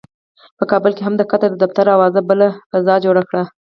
په کابل کې هم د قطر دفتر اوازو بله فضا جوړه کړې.